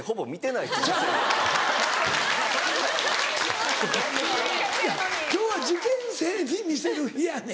いや今日は受験生に見せる日やねん。